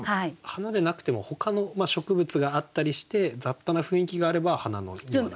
花でなくてもほかの植物があったりして雑多な雰囲気があれば「花野」にも。